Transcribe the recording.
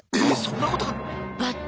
えそんなことが！